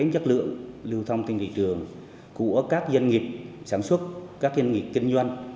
chất lượng lưu thông trên thị trường của các doanh nghiệp sản xuất các doanh nghiệp kinh doanh